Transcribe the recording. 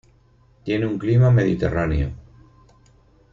Tiene un clima mediterráneo.